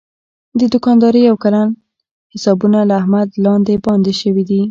د دوکاندارۍ یو کلن حسابونه له احمده لاندې باندې شوي دي.